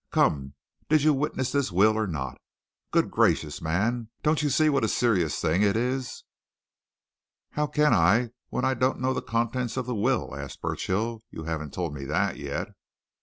Come did you witness this will or not? Good gracious, man! don't you see what a serious thing it is?" "How can I when I don't know the contents of the will?" asked Burchill. "You haven't told me that yet."